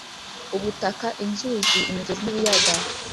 ubutaka inzuzi imigezi n’ ibiyaga